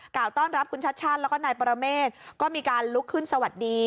ต้อนรับคุณชัดชาติแล้วก็นายปรเมฆก็มีการลุกขึ้นสวัสดี